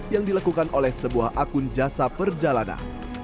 yang dilakukan oleh sebuah akun jasa perjalanan